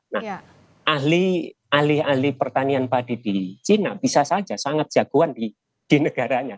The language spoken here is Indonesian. nah ahli ahli pertanian padi di china bisa saja sangat jagoan di negaranya